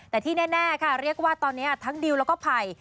แต่ที่แน่ค่ะเรียกว่าตอนนี้ทั้งดิวแล้วก็ไผ่